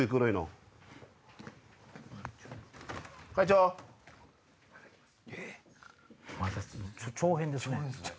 長編ですね。